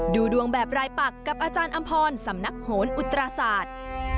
ดูดวงแบบรายปักกับอาจารย์อำพรสำนักโหนอุตราศาสตร์